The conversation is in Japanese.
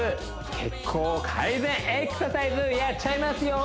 血行改善エクササイズやっちゃいますよ！